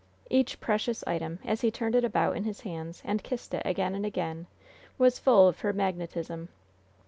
Each precious item, as he turned it about in his hands, and kissed it again and again, was full of her magnetism.